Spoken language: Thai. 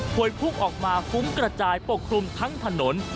วยพุ่งออกมาฟุ้งกระจายปกคลุมทั้งถนน